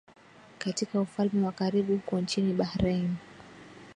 katika ufalme wa karibu huko nchini Bahrain